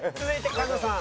狩野さん！